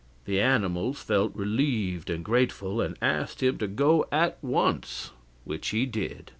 The animals felt relieved and grateful, and asked him to go at once which he did.